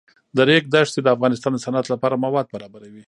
د ریګ دښتې د افغانستان د صنعت لپاره مواد برابروي.